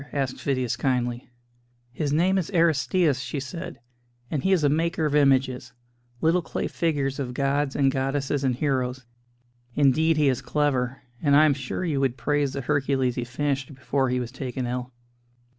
asked Phidias kindly. "His name is Aristćus," she said, "and he is a maker of images little clay figures of gods and goddesses and heroes. Indeed, he is clever; and I am sure you would praise the 'Hercules' he finished before he was taken ill."